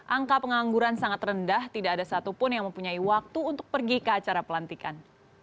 angka pengangguran sangat rendah tidak ada satupun yang mempunyai waktu untuk pergi ke acara pelantikan